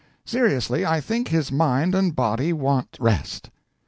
"Seriously, I think his mind and body want rest."